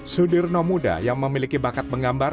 sudirno muda yang memiliki bakat menggambar